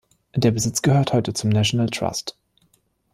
Der Besitz gehört heute zum National Trust.